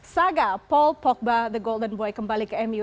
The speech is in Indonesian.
saga paul pogba the golden boy kembali ke mu